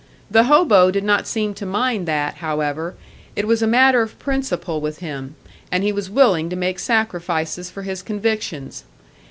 The hobo did not seem to mind that, however it was a matter of principle with him, and he was willing to make sacrifices for his convictions.